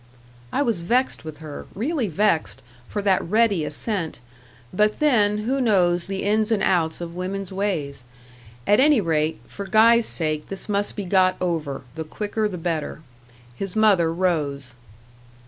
I was vexed with her really vexed for that ready assent; but then, who knows the ins and outs of women's ways? At any rate, for Guy's sake this must be got over the quicker the better. His mother rose.